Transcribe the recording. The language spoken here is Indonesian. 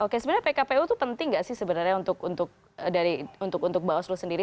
oke sebenarnya pkpu itu penting gak sih sebenarnya untuk bawaslu sendiri